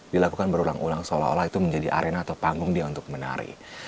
dilakukan berulang ulang seolah olah itu menjadi arena atau panggung dia untuk menari